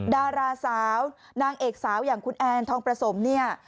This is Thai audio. ดาราสาวนางเอกสาวอย่างคุณแอนทองประสมเนี่ย